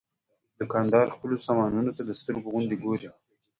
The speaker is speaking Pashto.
دوکاندار خپلو سامانونو ته د سترګو غوندې ګوري.